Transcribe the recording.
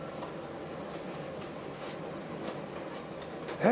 えっ？